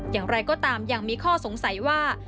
อย่างไรก็ตามยังมีข้อสงสัยว่า